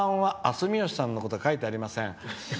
あ、住吉さんのことは書いていません。